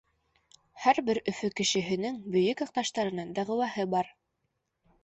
Һәр бер Өфө кешеһенең бөйөк яҡташтарына дәғүәһе бар.